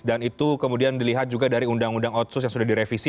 dan itu kemudian dilihat juga dari undang undang otsus yang sudah direvisi